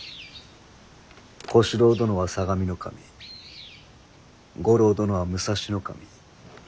小四郎殿は相模守五郎殿は武蔵守。